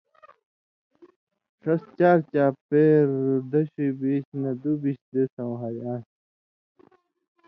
ݜس چارچاپېرہ دشُوئ بیش نہ دُوبِیۡش دِېسؤں ہاریۡ آن٘س۔